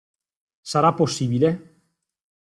Sarà possibile?